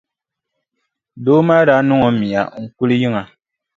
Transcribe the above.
Doo maa daa niŋ o mia n-kuli yiŋa.